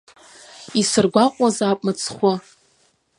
Исыргәаҟуазаап мыцхәы.